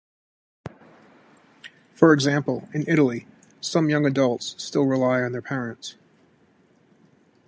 For example, in Italy, some young adults still rely on their parents.